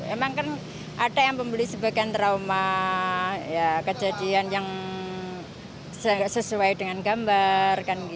emang kan ada yang membeli sebagian trauma kejadian yang tidak sesuai dengan gambar